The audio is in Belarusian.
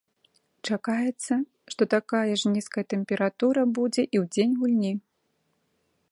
Чакаецца, што такая ж нізкая тэмпература будзе і ў дзень гульні.